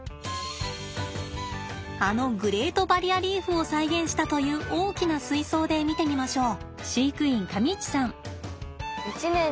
あのグレートバリアリーフを再現したという大きな水槽で見てみましょう。